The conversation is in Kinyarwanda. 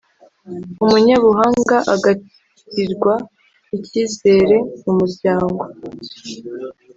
Umunyabuhanga agirirwa icyizere mu muryango we,